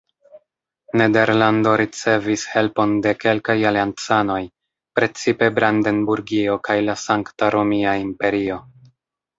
Nederlando ricevis helpon de kelkaj aliancanoj, precipe Brandenburgio kaj la Sankta Romia imperio.